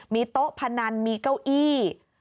มีโต๊ะพนันมีเก้าอี้